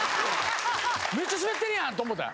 めっちゃスベってるやんと思った。